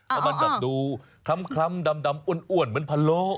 เขาเป็นดำดูขัมดำอ้วนเหมือนพะโล